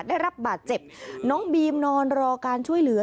ได้รับบาดเจ็บน้องบีมนอนรอการช่วยเหลือ